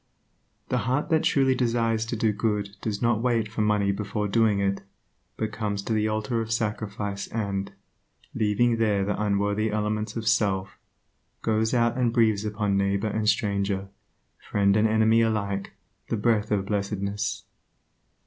The heart that truly desires to do good does not wait for money before doing it, but comes to the altar of sacrifice and, leaving there the unworthy elements of self, goes out and breathes upon neighbor and stranger, friend and enemy alike the breath of blessedness.